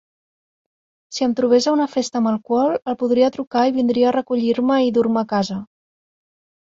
Si em trobés a una festa amb alcohol, el podria trucar i vindria a recollir-me i dur-me a casa.